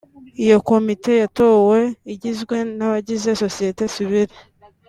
Iyo komite yatowe igizwe n’abagize sosiyete Sivile